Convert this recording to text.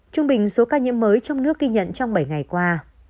trung bình số ca nhiễm mới trong nước ghi nhận trong bảy ngày qua